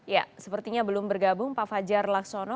ya sepertinya belum bergabung pak fajar laksono